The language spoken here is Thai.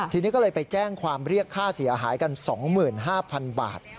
ทีนี้ก็เลยไปแจ้งความเรียกค่าเสียหายกัน๒๕๐๐๐บาท